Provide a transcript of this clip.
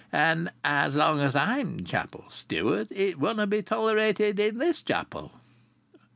"And as long as I'm chapel steward it wunna' be tolerated in this chapel."